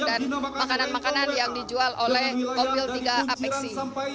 dan makanan makanan yang dijual oleh komil tiga apeksi